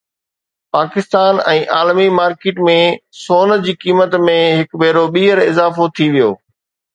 پاڪستان ۽ عالمي مارڪيٽ ۾ سون جي قيمت ۾ هڪ ڀيرو ٻيهر اضافو ٿي ويو